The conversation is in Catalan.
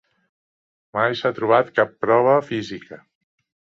Mai s'ha trobat cap prova física.